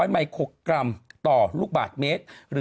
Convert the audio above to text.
ไมโครกรัมต่อลูกบาทเมตร